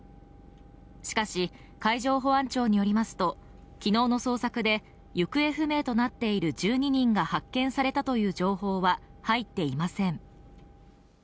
しかし海上保安庁によりますと昨日の捜索で行方不明となっている１２人が発見されたという情報は入っていません。